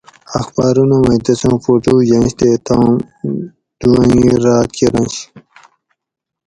اخباۤرونہ مئ تسوں فُٹو ینش تے تم دُو انگیر راۤت کۤرنش